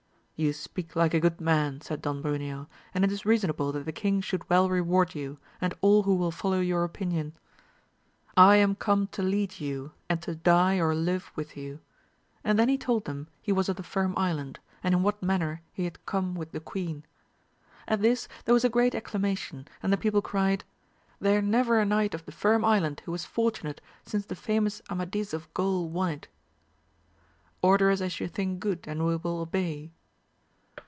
You speak like a good man, said Don Bruneo, and it is reasonable that the king should well reward you, and all who will follow your opinion. I am come to lead you, and to die or live with you ; and then he told them he was q{ the Firm Island, and in what manner he had come 18—2 276 AMADIS OF GAUL. with the queen. At this there was a great acclamar tion, and the people cried, There never a knight of the Firm Island who was fortunate, since the famous Amadis of Gaul won it. Order us as you think good, and we will obey.